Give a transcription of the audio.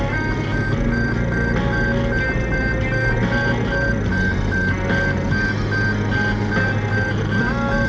สวัสดีครับที่ได้รับความรักของคุณ